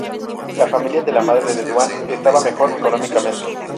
La familia de la madre de Duan estaba mejor económicamente.